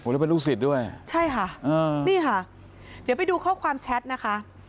แล้วเป็นลูกศิษย์ด้วยใช่ค่ะนี่ค่ะเดี๋ยวไปดูข้อความแชทนะคะ